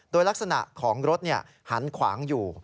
โดยลักษณะของรถหันขวางอยู่